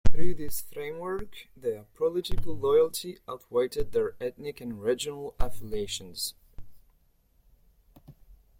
Through this framework, their political loyalty outweighed their ethnic and regional affiliations.